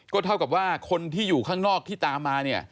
เท่ากับว่าคนที่อยู่ข้างนอกที่ตามมาเนี่ย